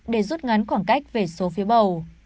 để rút ngắn khoảng cách về số phiếu bầu